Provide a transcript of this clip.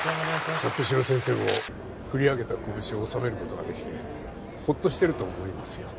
里城先生も振り上げた拳を収めることができてホッとしてると思いますよ